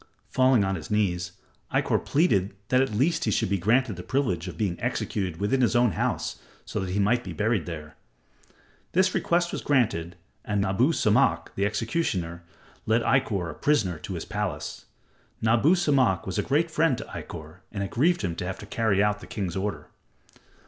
Falling on his knees, Ikkor pleaded that at least he should be granted the privilege of being executed within his own house so that he might be buried there. This request was granted, and Nabu Samak, the executioner, led Ikkor a prisoner to his palace. Nabu Samak was a great friend to Ikkor and it grieved him to have to carry out the king's order.